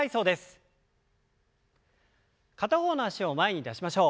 片方の脚を前に出しましょう。